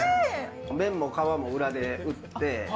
麺も皮も裏で打って。